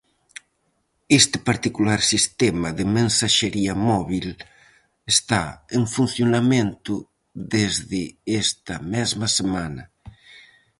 Este particular sistema de mensaxería móbil está en funcionamento desde esta mesma semana.